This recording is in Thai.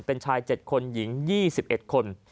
เป็นชาย๗คนหญิง๒๑คน